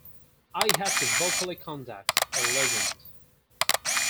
I had to vocally conduct a legend.